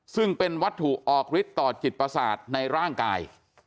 ซึ่งเป็นวัตถุออกฤทธิ์ต่อจิตประสาทในร่างกาย